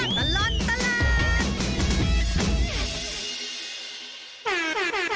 ช่วงตลอดตลาด